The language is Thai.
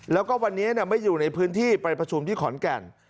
แล้วก็วันนี้ไม่อยู่ในพื้นที่ไปประชุมที่ขอนแก่น